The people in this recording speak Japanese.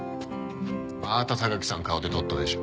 また榊さん顔で採ったでしょ？